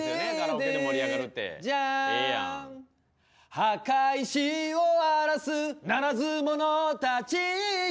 墓石を荒らすならず者たちよ